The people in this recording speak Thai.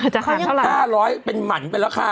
จะขายเท่าไหร่๕๐๐เป็นหมั่นไปแล้วค่ะ